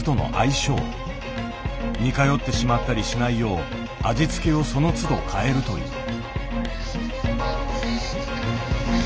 似通ってしまったりしないよう味付けをそのつど変えるという。